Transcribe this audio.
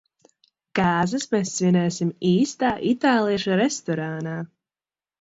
Kāzas mēs svinēsim īstā itāliešu restorānā.